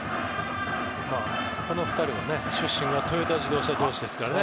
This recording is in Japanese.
この２人は出身がトヨタ自動車同士ですからね。